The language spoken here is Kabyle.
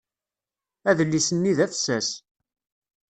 Adlis-nni d afessas.